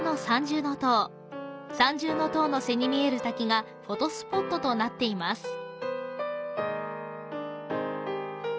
三重の塔の背に見える滝がフォトスポットとなっています。